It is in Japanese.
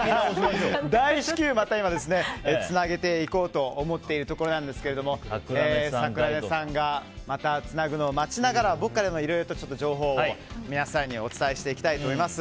大至急、つなげていこうと思っていますが桜根さんがまたつなぐのを待ちながら僕からも、いろいろと情報を皆さんにお伝えしていきたいと思います。